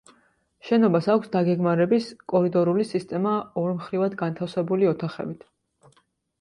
შენობას აქვს დაგეგმარების კორიდორული სისტემა ორმხრივად განთავსებული ოთახებით.